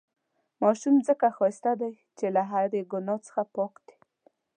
ماشومان ځڪه ښايسته دي، چې له هرې ګناه څخه پاک دي.